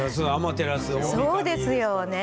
そうですよね。